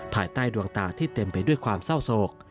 ภายใต้ดวงตาที่เต็มไปด้วยความเศร้าโศก